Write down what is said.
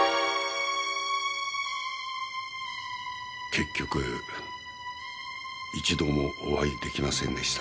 結局一度もお会い出来ませんでした。